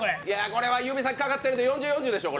これは指先かかってるから４０・４０でしょう。